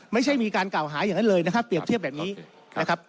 ไม่ใช่มีการกล่าวหาอย่างนั้นเลยนะครับเปรียบเทียบแบบนี้นะครับ